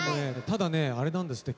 ただねあれなんですって。